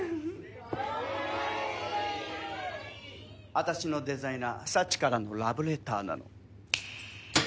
あたしのデザイナーサチからのラブレターなの。